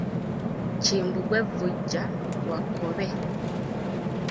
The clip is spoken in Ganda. Kimbugwe Vujja wa Kkobe.